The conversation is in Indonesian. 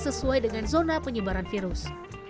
sesuai dengan zona penyebaran virus